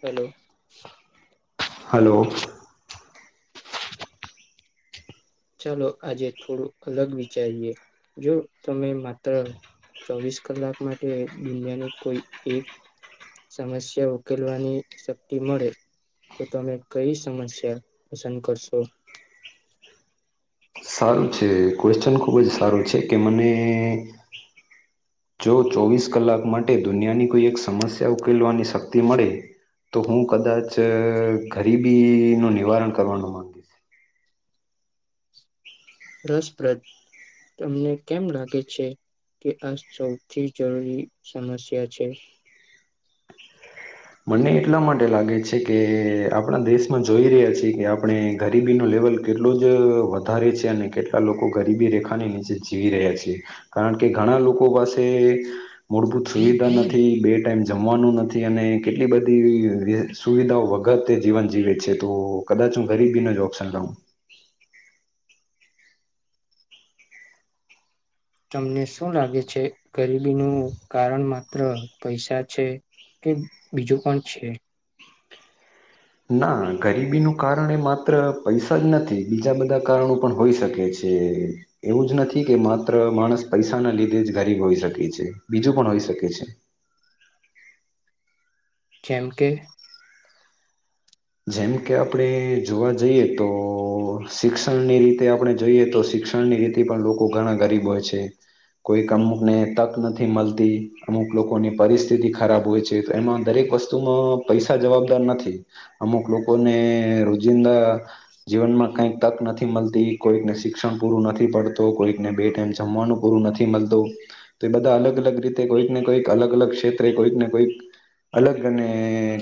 Hello. Hello. ચાલો આજે થોડું અલગ વિચારીએ. જો તમે માત્ર ચોવીસ કલાક માટે દુનિયાની કોઈ એક સમસ્યા ઉકેલવાની શક્તિ મળે, તો તમે કઈ સમસ્યા પસંદ કરશો? સારું છે ક્વેશ્ચન ખુબ જ સારું છે કે મને જો ચોવીસ કલાક માટે દુનિયાની કોઈ એક સમસ્યા ઉકેલવાની શક્તિ મળે, તો હું કદાચ ગરીબી નું નિવારણ કરવાનું માંગીશ. રસપ્રદ, તમને કેમ લાગે છે કે આ સૌથી જરૂરી સમસ્યા છે? મને એટલા માટે લાગે છે કે આપણા દેશમાં જોઈ રહ્યા છીએ કે આપણે ગરીબીનો લેવલ કેટલો જ વધારે છે અને કેટલા લોકો ગરીબી રેખાની નીચે જીવી રહ્યા છીએ. કારણ કે ઘણા લોકો પાસે મૂળભૂત સુવિધા નથી, બે ટાઈમ જમવાનું નથી અને કેટલી બધી સુવિધાઓ વગર તે જીવન જીવે છે. તો કદાચ હું ગરીબીનો જ ઓપ્શન લઉ. તમને શું લાગે છે ગરીબીનું કારણ માત્ર પૈસા છે કે બીજું પણ છે? ના ગરીબીનું કારણ એ માત્ર પૈસા જ નથી બીજા બધા કારણો પણ હોઈ શકે છે. એવું જ નથી કે માત્ર માણસ પૈસા ના લીધે જ ગરીબ હોઈ શકે છે બીજું પણ હોઈ શકે છે. જેમ કે જેમ કે આપણે જોવા જઈએ તો શિક્ષણની રીતે આપણે જોઈએ તો શિક્ષણની રીતે પણ લોકો ઘણા ગરીબ હોય છે. કોઈક અમુકને તક નથી મળતી, અમુક લોકોની પરિસ્થિતિ ખરાબ હોય છે તો એમાં દરેક વસ્તુમાં પૈસા જવાબદાર નથી. અમુક લોકોને રોજિંદા જીવનમાં કંઈક તક નથી મળતી, કોઈકને શિક્ષણ પૂરું નથી પડતું, કોઈકને બે ટાઈમ જમવાનું પૂરું નથી મળતું તો એ બધા અલગ અલગ રીતે કોઈકને કોઈક અલગ અલગ ક્ષેત્રે કોઈક ને કોઈક અલગ અને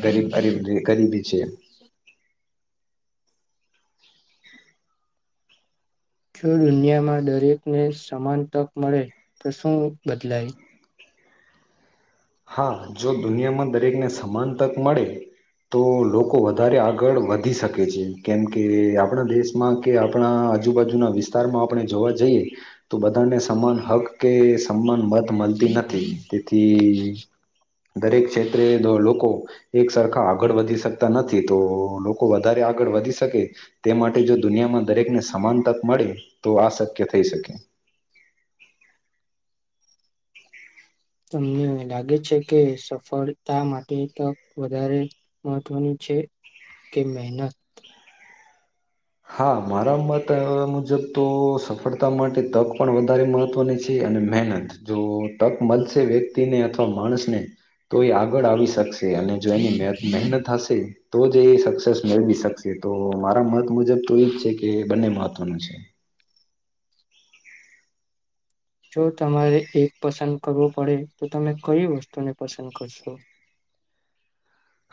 ગરીબ ગરીબ ગરીબી છે. જો દુનિયામાં દરેકને સમાન તક મળે, તો શું બદલાય? હા જો દુનિયામાં દરેકને સમાન તક મળે તો લોકો વધારે આગળ વધી શકે છે. કેમકે આપણા દેશમાં કે આપણા આજુબાજુના વિસ્તારમાં આપણે જોવા જઈએ તો બધાને સમાન હક કે સમાન મત મળતી નથી તેથી દરેક ક્ષેત્રે લોકો એક સરખા આગળ વધી શકતા નથી. તો લોકો વધારે આગળ વધી શકે તે માટે જો દુનિયામાં દરેકને સમાન તક મળે તો આ શક્ય થઈ શકે. તમને લાગે છે કે સફળતા માટે તક વધારે મહત્વની છે કે મહેનત? હા મારા મત મુજબ તો સફળતા માટે તક પણ વધારે મહત્વની છે અને મહેનત. જો તક મળશે વ્યક્તિને અથવા માણસને તો એ આગળ આવી શકશે અને જો એની મહેનત હશે તો જ એ સક્સેસ મેળવી શકશે. તો મારા મત મુજબ તો એજ છે કે બંને મહત્વનું છે. જો તમારે એક પસંદ કરવું પડે તો તમે કઈ વસ્તુને પસંદ કરશો?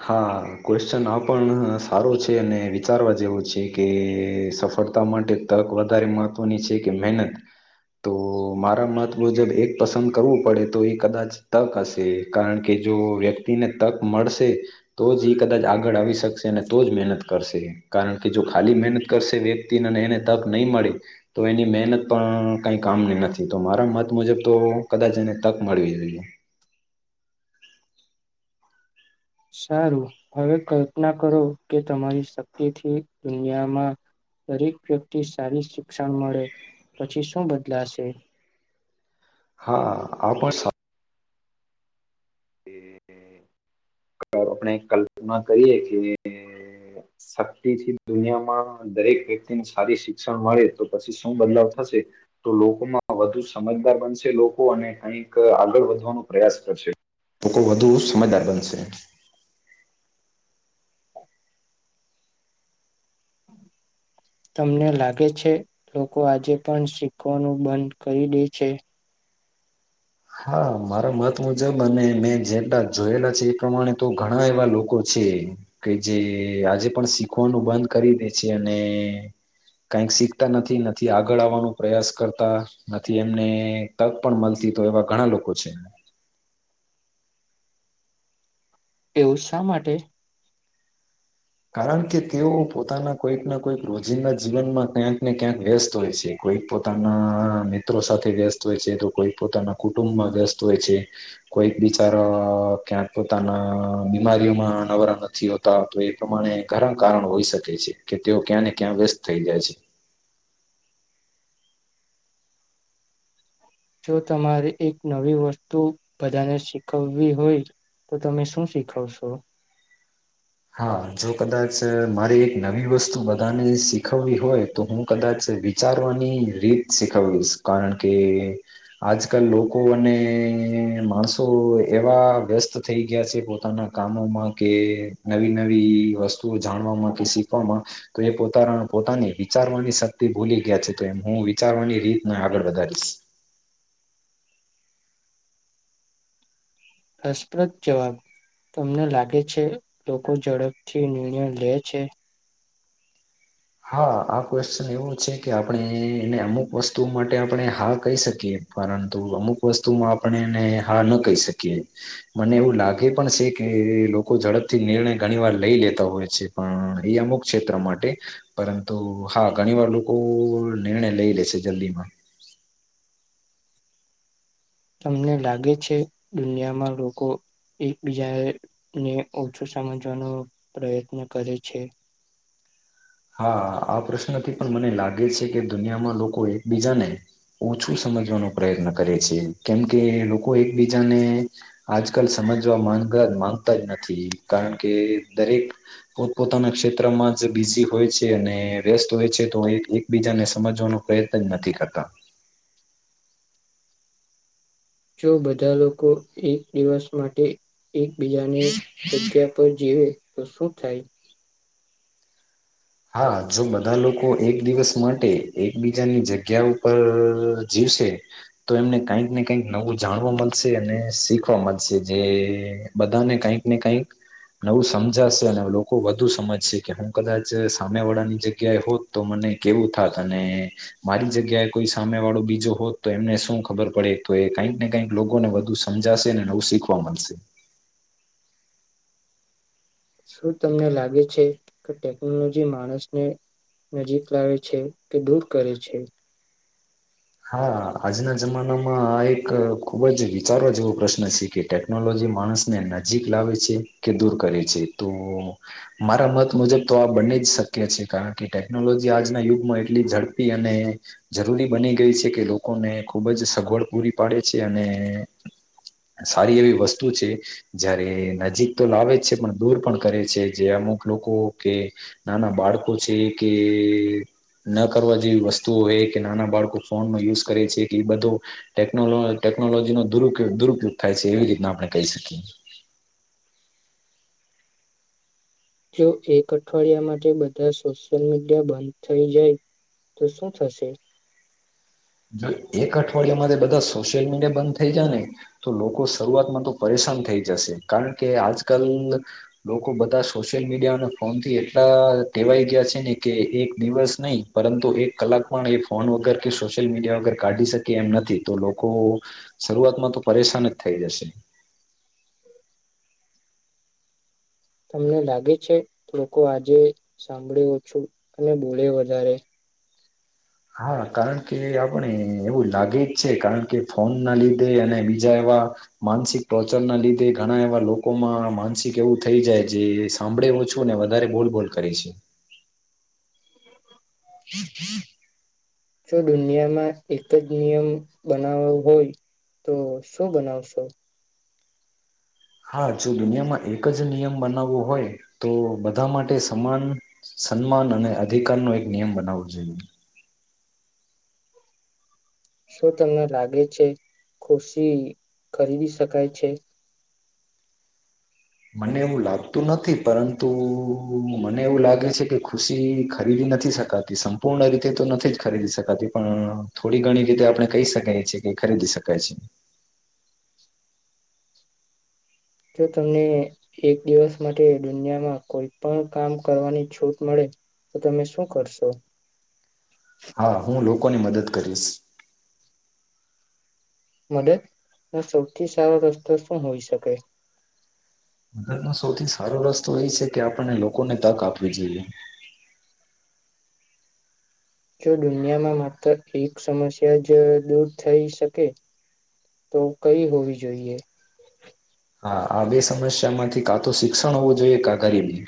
હા ક્વેશ્ચન આ પણ સારો છે અને વિચારવા જેવો છે કે સફળતા માટે તક વધારે મહત્વની છે કે મહેનત તો મારા મત મુજબ એક પસંદ કરવું પડે તો એ કદાચ તક હશે. કારણ કે જો વ્યક્તિને તક મળશે તો જ એ કદાચ આગળ આવી શકશે અને તો જ મહેનત કરશે. કારણ કે જો ખાલી મહેનત કરશે વ્યક્તિ અને એને તક નહીં મળે તો એની મહેનત પણ કઈ કામની નથી તો મારા મત મુજબ તો કદાચ એને તક મળવી જોઈએ. સારું હવે કલ્પના કરો કે તમારી શક્તિથી દુનિયામાં દરેક વ્યક્તિ સારી શિક્ષણ મળે, પછી શું બદલાશે? હા આ પણ કે આપણે કલ્પના કરીએ કે શક્તિથી દુનિયામાં દરેક વ્યક્તિને સારી શિક્ષણ મળે, તો પછી શું બદલાવ થશે તો લોકોમાં વધુ સમજદાર બનશે લોકો અને કઈક આગળ વધવાનો પ્રયાસ કરશે. લોકો કો વધુ સમજદાર બનશે, તમને લાગે છે લોકો આજે પણ શીખવાનું બંધ કરી દે છે? હા મારા મત મુજબ અને મેં જેટલા જોયેલા છે, એ પ્રમાણે તો ઘણા એવા લોકો છે, કે જે આજે પણ શીખવાનું બંધ કરી દે કક શીખતા નથી નથી આગળ આવવાનો પ્રયાસ કરતા નથી એમને તક પણ મળતી તો એવા ઘણા લોકો છે, એવું શા માટે? કારણ કે તેઓ પોતાના કોઈક ના કોઈક રોજિંદા જીવનમાં ક્યાંક ને ક્યાંક વ્યસ્ત હોય છે, કોઈક પોતાના મિત્રો સાથે વ્યસ્ત હોય છે તો કોઈક પોતાના કુટુંબમાં વ્યસ્ત હોય છે, કોઈક બિચારા ક્યાંક પોતાના બીમારીઓમાં નવરા નથી હોતા તો પ્રમાણે ઘરા કારણ હોઈ શકે છે કે તેઓ ક્યાં ને ક્યાં વ્યસ્ત થઈ જાય છે. જો તમારે એક નવી વસ્તુ બધાને શીખવવી હોય તો તમે શું શીખવશો? હા જો કદાચ મારે એક નવી વસ્તુ બધાને શીખવવી હોય, તો હું કદાચ વિચારવાની રીત શીખવીશ કારણ કે, આજકાલ લોકો અને માણસો એવા વ્યસ્ત થઈ ગયા છે, પોતાના કામોમાં કે નવી નવી વસ્તુ જાણવામાં કે શીખવામાં તો એ પોતાનાના પોતાની વિચારવાની શક્તિ ભૂલી ગયા છે, તો એમ હું વિચારવાની રીતને આગળ વધારીશ રસપ્રદ જવાબ તમને લાગે છે લોકો ઝડપથી નિર્ણય લે છે, હા આ ક્વેશ્ચન એવું છે, કે આપણે એને અમુક વસ્તુ માટે આપણે હા કહી શકીએ પરંતુ અમુક વસ્તુમાં આપણે એને હા ન કહી શકીએ મને એવું લાગે, પણ છે કે લોકો ઝડપથી નિર્ણય ઘણી વાર લઈ લેતા હોય છે, પણ એ અમુક ક્ષેત્ર માટે પરંતુ હા ઘણી વાર લોકો નિર્ણય લઈ લેશે જલ્દીમાં, તમને લાગે છે દુનિયામાં લોકો એકબીજાને ઓછું સમજવાનો પ્રયત્ન કરે છે, હા આ પ્રશ્નથી પણ મને લાગે છે કે દુનિયામાં લોકો એકબીજાને ઓછું સમજવાનો પ્રયત્ન કરે છે, કેમકે લોકો એકબીજાને આજકાલ સમજવા માંગ માંગતા જ નથી, કારણ કે દરેક પોતપોતાના ક્ષેત્રમાં જ બીજી હોય છે અને વ્યસ્ત હોય છે તો એકબીજાને સમજવાનો પ્રયત્ન જ નથી, કરતા જો બધા લોકો એક દિવસ માટે એકબીજાને જગ્યા પર જીવે તો શું થાય? હા જો બધા લોકો એક દિવસ માટે એકબીજાની જગ્યા ઉપર જીવશે તો એમને કઈક ને કઈક નવું જાણવા મળશે, અને શીખવા મળશે જે બધાને કઈક ને કઈક નવું સમજાશે અને લોકો વધુ સમજશે કે હું કદાચ સામે વાળાની જગ્યાએ હોત તો મને કેવું થાત અને મારી જગ્યાએ કોઈ સામે વાળો બીજો હોત તો એમને શું ખબર પડે તો એ કઈક ને કઈક લોકોને વધુ સમજાશે ને નવું શીખવા મળશે. શું તમને લાગે છે કે ટેકનોલોજી માણસને નજીક લાવે છે કે દૂર કરે છે? હા આજના જમાનામાં આ એક ખુબ જ વિચારવા જેવો પ્રશ્ન છે, કે ટેકનોલોજી માણસને નજીક લાવે છે કે દૂર કરે છે તો મારા મત મુજબ તો આ બંને જ શક્ય છે, કારણ કે ટેકનોલોજી આજના યુગ એટલી ઝડપી અને જરૂરી બની છે કે લોકોને ખૂબ જ સગવડ પૂરી પાડે છે, અને સારી એવી વસ્તુ છે જયારે નજીક તો લાવે છે પણ દૂર પણ કરે છે, જે અમુક લોકો કે નાના બાળકો છે કે ન કરવા જેવી વસ્તુઓ હો કે નાના બાળકો ફોન નો યુઝ કરે છે કે એ બધો ટેકનોલો ટેકનોલોજીનોોુ દુરુપયોગ થાય છે, એવી રીતના આપણે કહી શકીએ જો એક અઠવાડિયા માટે બધા સોશિયલ મીડિયા બંધ થઈ જાય તો શું થશે? જો એક અઠવાડિયામાંથી બધા સોશિયલ મીડિયા બંધ થઈ જાય ને તો લોકો શરૂઆતમાં તો પરેશાન થઈ જશે, કારણ કે આજ કલ લોકો બધા સોશિયલ મીડિયા અને ફોન થી એટલા કહેવાય ગયા છે, ને કે એક દિવસ નહી પરંતુ એક કલાક પણ એ ફોન વગર કે સો સોશિયલ મીડિયા વગર કાઢી શકે એમ નથી, તો લોકો શરૂઆતમાં તો પરેશાન જ થઈ જશે તમને લાગે છે લોકો આજે સાંભળે ઓછું અને બોલે વધારે હા કારણ કે આપણે એવું લાગે જ છે કારણ કે ફોન ના લીધે અને બીજા એવા માનસિક ટોર્ચર ના લીધે ઘણા એવા લોકોમાં માનસિક એવું થઈ જાય જે સાંભળે ઓછું વધારે બોલબોલ કરે છે. [unintelligible] જો દુનિયામાં એક જ નિયમ બનાવવ હોય તો શું બનાવશો? હા જો દુનિયામાં એક જ નિયમ બનાવવો હોય તો બધા માટે સમાન સન્માન અને અધિકારનો એક નિયમ બનાવવો જોઈએ. શું તમને લાગે છે ખુશી ખરીદી શકાય છે? મને એવું લાગતું નથી પરંતુ મને એવું લાગે છે કે ખુશી ખરીદી નથી શકાતી સંપૂર્ણ રીતે તો નથી જ ખરીદી શકાતી પણ થોડી ઘણી રીતે આપણે કહી શકીએ છ છેએ કે ખરીદી શકાય છે. જો તમને એક દિવસ માટે દુનિયામાં કોઈ પણ કામ કરવાની છૂટ મળે તો તમે શું કરશો? હા હું લોકોની મદદ કરીશ. મદદ નો સૌથી સારો રસ્તો શું હોઈ શકેાય? મદદ સૌથી સારો રસ્તો એ છે કે આપણને લોકોને તક આપવી જોઈએ. જો દુનિયામાં માત્ર એક સમસ્યા જ દૂર થઈ શકે તો કઈ હોવી જોઈએ? હા આ બે સમસ્યા માંથી કા તો શિક્ષણ હોવું જોઈએ કા ગરીબી.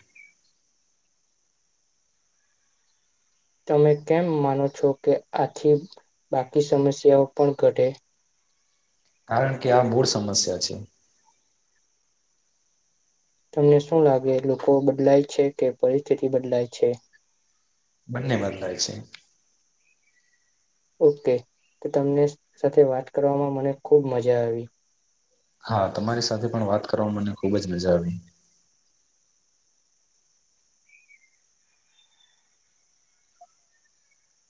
તમે કેમ માનો છો કે આથી બાકી સમસ્યાઓ પણ ઘટે? કારણ કે આ મૂળ સમસ્યા છે. તમને શું લાગે લોકો બદલાય છે કે પરિસ્થિતિ બદલાય છે? બંને બદલાય છે. ઓકે તો તમને સાથે વાત કરવામાં મને ખુબ મજા આવી. હા તમારી સાથે પણ વાત કરવાવામાં મને ખુબ જ મજા આવી.